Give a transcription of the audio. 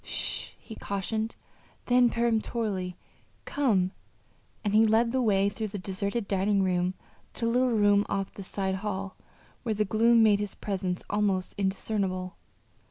"Sh h!" he cautioned; then, peremptorily, "Come." And he led the way through the deserted dining room to a little room off the sidehall where the gloom made his presence almost indiscernible.